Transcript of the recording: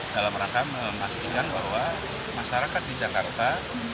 dalam rangka memastikan bahwa masyarakat di jakarta